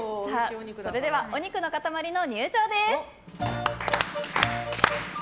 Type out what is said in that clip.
それではお肉の塊の入場です。